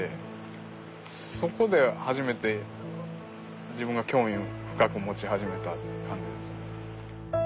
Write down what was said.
そこで初めて自分が興味深く持ち始めた感じですね。